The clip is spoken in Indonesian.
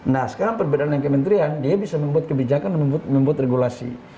nah sekarang perbedaannya kementerian dia bisa membuat kebijakan dan membuat regulasi